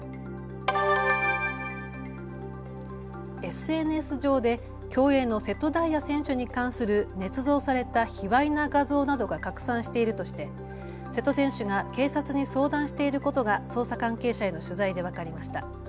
ＳＮＳ上で競泳の瀬戸大也選手に関するねつ造された卑わいな画像などが拡散しているとして瀬戸選手が警察に相談していることが捜査関係者への取材で分かりました。